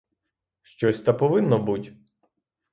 Щось та повинно буть!